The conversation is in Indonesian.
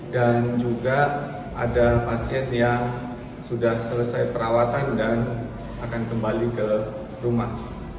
dan juga ada pasien yang sudah selesai perawatan dan akan kembali ke rumah